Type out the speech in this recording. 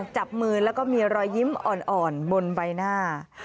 จับมือแล้วก็มีรอยยิ้มอ่อนบนใบหน้า